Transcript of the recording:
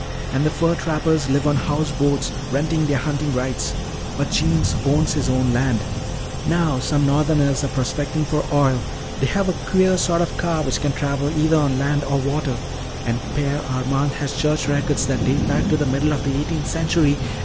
"And the fur trappers live on house boats, renting their hunting rights. But Jeems owns his own land. Now some northerners are prospecting for oil. They have a queer sort of car which can travel either on land or water. And Père Armand has church records that date back to the middle of the eighteenth century.